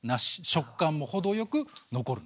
食感も程よく残る。